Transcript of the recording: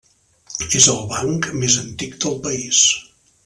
És el banc més antic del país.